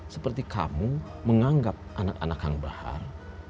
seperti kamu menganggap anak anak yang bahar